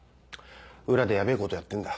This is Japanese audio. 裏でやべぇことやってんだ。